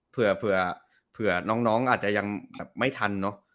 เผื่อเผื่อเผื่อน้องน้องอาจจะยังแบบไม่ทันเนอะ